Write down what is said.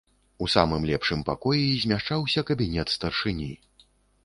У самым лепшым пакоі змяшчаўся кабінет старшыні.